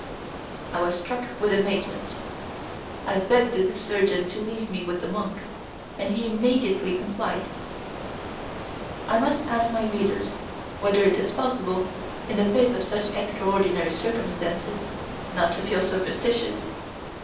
I was struck with amazement! I begged the surgeon to leave me with the monk, and he immediately complied. I must ask my readers whether it is possible, in the face of such extraordinary circumstances, not to feel superstitious!